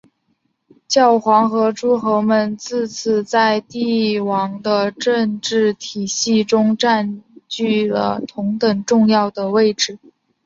教皇和诸侯们自此在帝国的政治体系中占据了同等重要的位置。